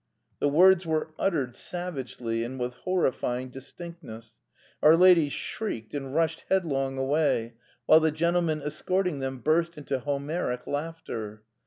The words were uttered savagely, and with horrifying distinctness. Our ladies shrieked, and rushed headlong away, while the gentlemen escorting them burst into Homeric laughter.